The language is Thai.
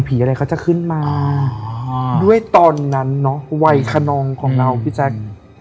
อะไรเขาจะขึ้นมาด้วยตอนนั้นเนอะวัยขนองของเราพี่แจ๊ค